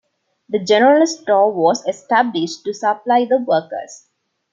The General Store was established to supply the workers.